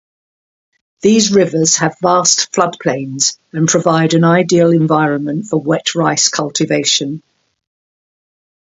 These rivers have vast flood plains and provide an ideal environment for wet-rice cultivation.